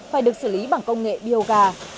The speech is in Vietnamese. phải được xử lý bằng công nghệ bioga